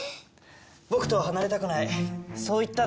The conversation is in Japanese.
僕とは離れたくないそう言ったでしょ